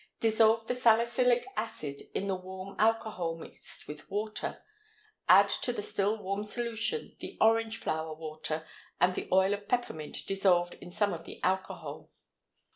Dissolve the salicylic acid in the warm alcohol mixed with water; add to the still warm solution the orange flower water and the oil of peppermint dissolved in some of the alcohol.